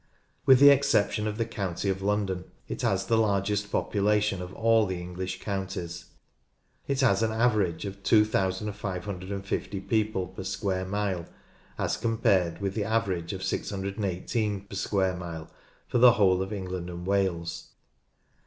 With the exception of the county of London it has the largest population of all the English counties. It has an average of 2550 people per square mile as compared with the average of 618 per square mile for the whole of England and Wales.